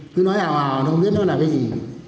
cứ nói ào ào nó không biết nó là cái gì